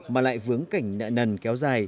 mà lại vướng cảnh nợ nần kéo dài